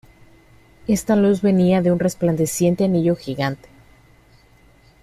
Esta luz venia de un resplandeciente anillo gigante.